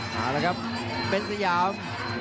เอาละครับเป็นสยาม